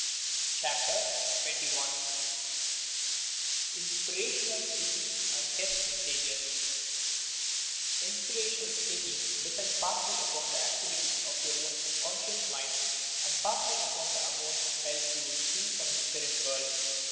CHAPTER XXI INSPIRATIONAL SPEAKING AND TEST UESSAGES Inspirational speaking depends partly upon the activity of your own subconscious mind and partly upon the amount of help you receive from the spirit world.